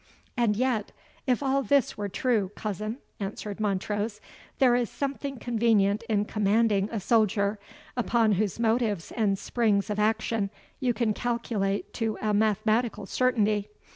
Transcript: "And yet, if all this were true, cousin," answered Montrose, "there is something convenient in commanding a soldier, upon whose motives and springs of action you can calculate to a mathematical certainty.